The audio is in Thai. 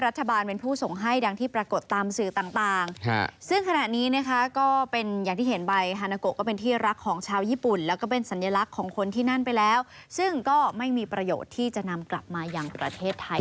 สัญลักษณ์ของคนที่นั่นไปแล้วซึ่งก็ไม่มีประโยชน์ที่จะนำกลับมาอย่างประเทศไทยนะคะ